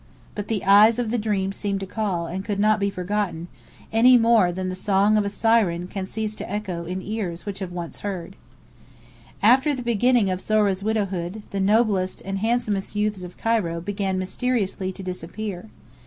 But the eyes of the dream seemed to call, and could not be forgotten, any more than the song of a siren can cease to echo in ears which once have heard. After the beginning of Zohra's widowhood, the noblest and handsomest youths of Cairo began mysteriously to disappear.